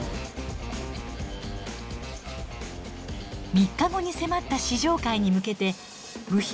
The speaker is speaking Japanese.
３日後に迫った試乗会に向けて部品を取り付ける